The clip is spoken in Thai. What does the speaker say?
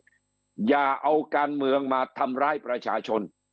สำคัญที่สุดอย่าเอาการเมืองมาทำร้ายประชาชน